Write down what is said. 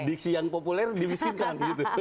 diksi yang populer dimiskinkan